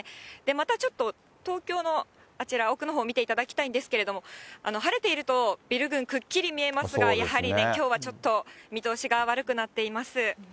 またちょっと、東京のあちら、奥のほう見ていただきたいんですけれども、晴れているとビル群、くっきり見えますが、やはりきょうはちょっと見通しが悪くなっています。